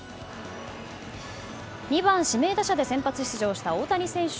２番指名打者で先発出場した大谷選手。